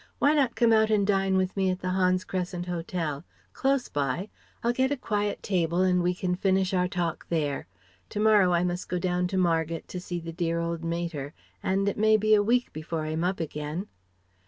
Why not come out and dine with me at the Hans Crescent Hotel? Close by. I'll get a quiet table and we can finish our talk there. To morrow I must go down to Margate to see the dear old mater, and it may be a week before I'm up again."